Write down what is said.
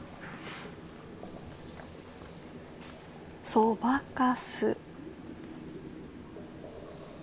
そばかす。